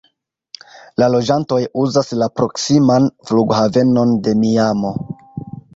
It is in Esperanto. La loĝantoj uzas la proksiman flughavenon de Miamo.